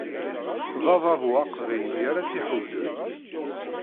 D adabu aqbayli ara tt-iḥudden.